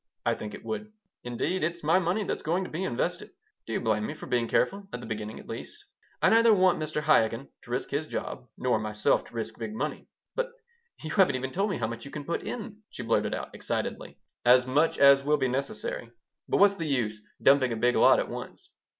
I think it would. Indeed, it's my money that's going to be invested. Do you blame me for being careful, at the beginning at least? I neither want Mr. Chaikin to risk his job nor myself to risk big money." "But you haven't even told me how much you can put in," she blurted out, excitedly. "As much as will be necessary. But what's the use dumping a big lot at once?